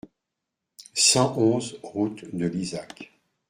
cent onze route de Lizac